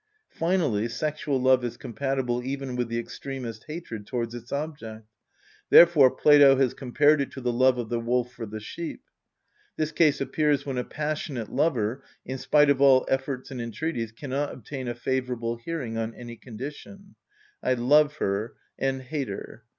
Finally, sexual love is compatible even with the extremest hatred towards its object: therefore Plato has compared it to the love of the wolf for the sheep. This case appears when a passionate lover, in spite of all efforts and entreaties, cannot obtain a favourable hearing on any condition:— "I love and hate her."